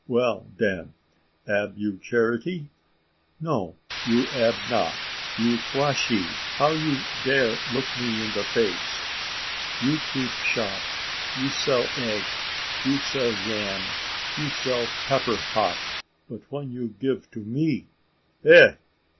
Well, den, ab you charity? No, you ab not. You, Quashee, how you dare look me in the face? You keep shop you sell egg you sell yam you sell pepper hot but when you give to me? Eh!